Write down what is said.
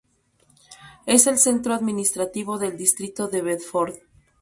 Es el centro administrativo del distrito de Bedford.